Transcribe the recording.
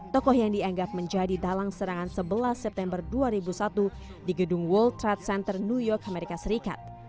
tokoh yang dianggap menjadi dalang serangan sebelas september dua ribu satu di gedung world trade center new york amerika serikat